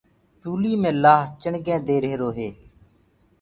چوليٚ مي لآه چِڻگينٚ دي رهيرو هي۔